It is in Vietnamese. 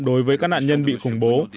đối với các nạn nhân bị khủng bố